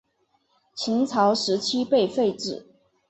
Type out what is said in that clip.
秦朝时期被废止。